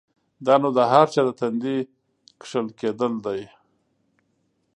دا نو د هر چا د تندي کښل کېدل دی؛